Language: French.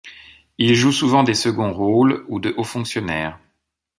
Il joue souvent des seconds rôles ou de haut fonctionnaire.